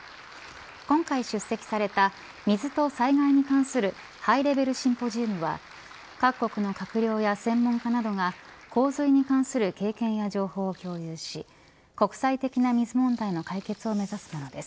今回出席された水と災害に関するハイレベルシンポジウムは各国の閣僚や専門家などが洪水に関する経験や情報を共有し国際的な水問題の解決を目指すものです。